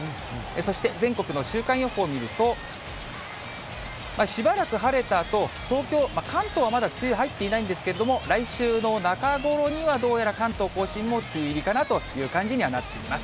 そして、全国の週間予報を見ると、しばらく晴れたあと、東京、関東はまだ梅雨、入っていないんですけれども、来週の中頃にはどうやら関東甲信も梅雨入りかなという感じにはなっています。